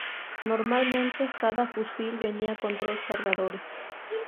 Normalmente, cada fusil venía con tres cargadores.